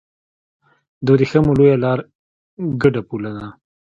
د ورېښمو لویه لار ګډه پوله ده.